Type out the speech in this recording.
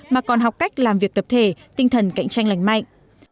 mà còn học cách làm việc tập thể tinh thần cạnh tranh lành mạnh